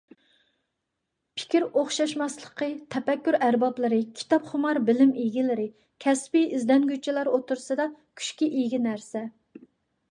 پىكىر ئوخشاشماسلىقى تەپەككۇر ئەربابلىرى، كىتاپخۇمار بىلىم ئىگىلىرى، كەسپىي ئىزدەنگۈچىلەر ئوتتۇرسىدا كۈچكە ئىگە نەرسە.